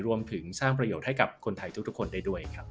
รวมถึงสร้างประโยชน์ให้กับคนไทยทุกคนได้ด้วยครับ